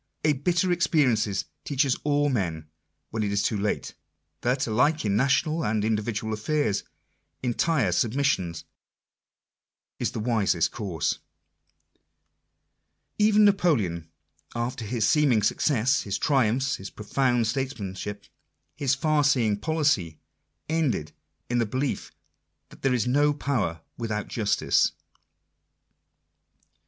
A bitter experiences teaches Digitized by VjOOQIC INTRODUCTION. 49 all men when it is too late, that, alike in national and individual affairs, entire jrobm issionjsjha wiflffitfi finr y Even Napoleon, after his seeming success, his triumphs, his profound states manship, his far seeing " policy," ended in the belief that " There is no power without justice."